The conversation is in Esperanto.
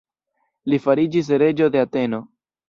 Li fariĝis reĝo de Ateno.